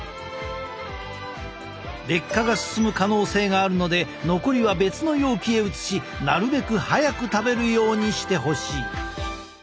劣化が進む可能性があるので残りは別の容器へ移しなるべく早く食べるようにしてほしい。